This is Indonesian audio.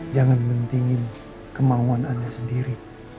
jangan mendingin kemauan anda sendiri